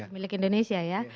milik indonesia ya